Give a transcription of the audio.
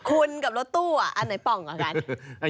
คุณกับรถตู้อันไหนป่องกว่ากัน